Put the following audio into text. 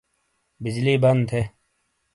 بجلی بن تھے۔